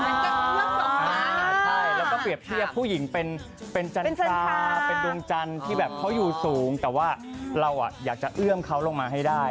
ใช่แล้วก็เปรียบเทียบผู้หญิงเป็นจันทราเป็นดวงจันทร์ที่แบบเขาอยู่สูงแต่ว่าเราอยากจะเอื้อมเขาลงมาให้ได้